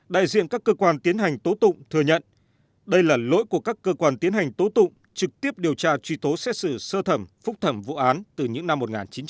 đại diện các cơ quan tiến hành tố tụng thừa nhận đây là lỗi của các cơ quan tiến hành tố tụng trực tiếp điều tra truy tố xét xử sơ thẩm phúc thẩm vụ án từ những năm một nghìn chín trăm chín mươi